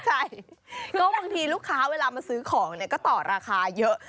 ใช่ก็บางทีลูกค้าเวลามาซื้อของเนี่ยก็ต่อราคาเยอะ